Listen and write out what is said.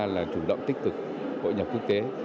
là chủ động tích cực hội nhập quốc tế